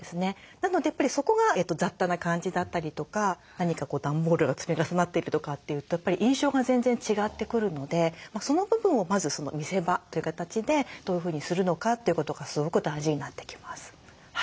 なのでやっぱりそこが雑多な感じだったりとか段ボールが積み重なってるとかっていうとやっぱり印象が全然違ってくるのでその部分をまず見せ場という形でどういうふうにするのかということがすごく大事になってきます。